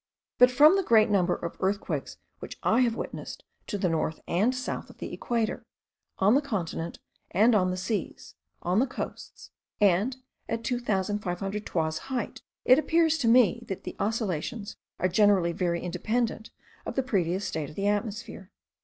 But from the great number of earthquakes which I have witnessed to the north and south of the equator; on the continent, and on the seas; on the coasts, and at 2500 toises height; it appears to me that the oscillations are generally very independent of the previous state of the atmosphere.